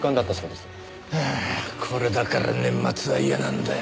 はぁこれだから年末は嫌なんだよ。